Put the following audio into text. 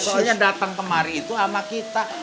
soalnya datang kemari itu sama kita